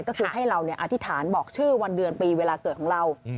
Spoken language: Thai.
ก็คือให้เราอธิษฐานบอกชื่อวันเดือนปีเวลาเกิดของเรา